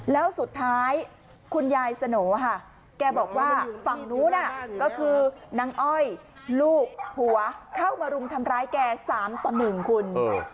แล้วสุดท้ายคุณยายสโหน่ค่ะแกบอกว่าฝั่งนู้นก็คือนางอ้อยลูกหัวเข้ามารุมทำร้ายแก๓ต่อ๑คุณ